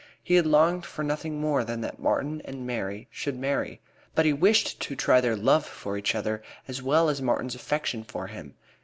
He had longed for nothing more than that Martin and Mary should marry, but he wished to try their love for each other as well as Martin's affection for him.